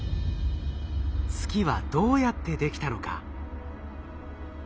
月はどうやってできたのか？